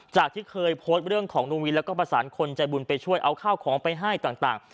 ที่เคยโพสต์เรื่องของลุงวินแล้วก็ประสานคนใจบุญไปช่วยเอาข้าวของไปให้ต่าง